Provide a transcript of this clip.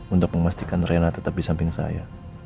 untuk memastikan rela tetap di samping saya